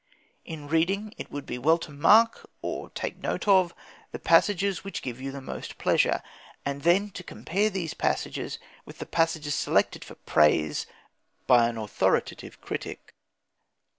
In reading, it would be well to mark, or take note of, the passages which give you the most pleasure, and then to compare these passages with the passages selected for praise by some authoritative critic.